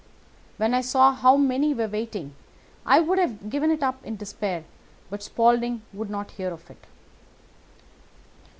When I saw how many were waiting, I would have given it up in despair; but Spaulding would not hear of it.